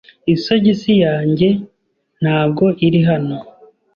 Isogisi yanjye ntabwo iri hano.